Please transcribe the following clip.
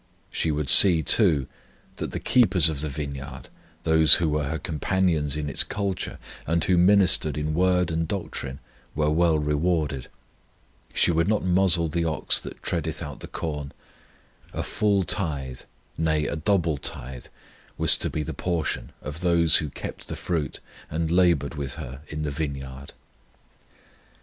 She would see, too, that the keepers of the vineyard, those who were her companions in its culture, and who ministered in word and doctrine, were well rewarded; she would not muzzle the ox that treadeth out the corn; a full tithe, nay a double tithe, was to be the portion of those who kept the fruit and laboured with her in the vineyard.